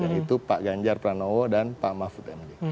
yaitu pak ganjar pranowo dan pak mahfud md